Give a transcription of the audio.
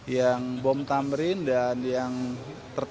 yang bom tamrin dan yang terkenal